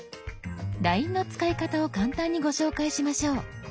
「ＬＩＮＥ」の使い方を簡単にご紹介しましょう。